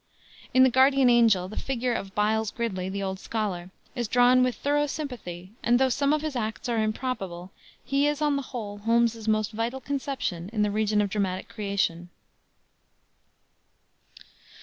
In the Guardian Angel the figure of Byles Gridley, the old scholar, is drawn with thorough sympathy, and though some of his acts are improbable he is, on the whole, Holmes's most vital conception in the region of dramatic creation.